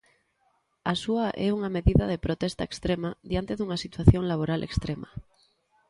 A súa é unha medida de protesta extrema diante dunha situación laboral extrema.